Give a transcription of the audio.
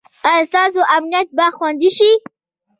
ایا ستاسو امنیت به خوندي شي؟